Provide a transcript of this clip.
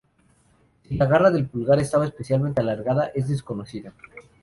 Si la garra del pulgar estaba especialmente alargada es desconocido.